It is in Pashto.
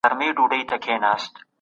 سبقونه په انلاين بڼه یاداښت کړه.